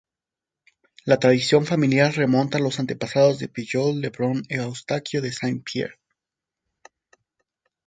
La tradición familiar remonta los antepasados de Pigault-Lebrun a Eustaquio de Saint Pierre.